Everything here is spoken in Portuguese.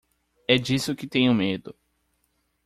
É disso que tenho medo.